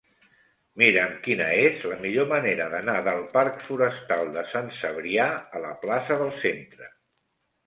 Mira'm quina és la millor manera d'anar del parc Forestal de Sant Cebrià a la plaça del Centre.